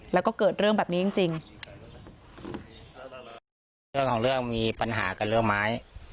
แล้วก็เกิดเรื่องแบบนี้จริงจริงเรื่องของเรื่องมีปัญหากันเรื่องไม้